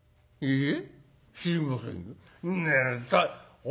「いいえ」。